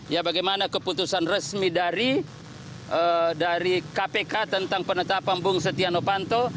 ya bagaimana keputusan resmi dari kpk tentang penetapan bung setia novanto